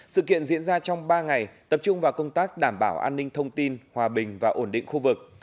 sự kiện diễn ra trong ba ngày tập trung vào công tác đảm bảo an ninh thông tin hòa bình và ổn định khu vực